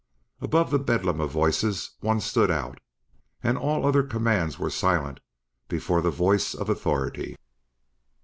Above the bedlam of voices one stood out, and all other commands went silent before the voice of authority.